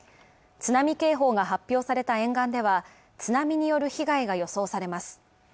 津波警報が発表された沿岸では、津波による被害が予想されます。